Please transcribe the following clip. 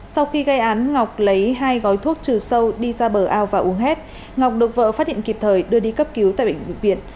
sau khi gây án ngọc lấy hai gói thuốc trừ sâu đi ra bờ ao và uống hết ngọc được vợ phát hiện kịp thời đưa đi cấp cứu tại bệnh viện việt